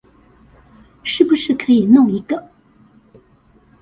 是不是可以弄一個